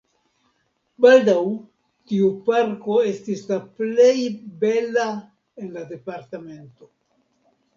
Baldaŭ tiu parko estis la plej bela en la departemento.